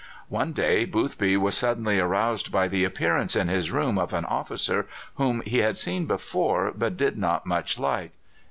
One day Boothby was suddenly aroused by the appearance in his room of an officer whom he had seen before, but did not much like.